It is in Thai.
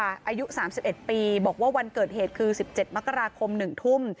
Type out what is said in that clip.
อายุ๓๑ปีบอกว่าวันเกิดเหตุคือ๑๗มกราคม๑ทุ่ม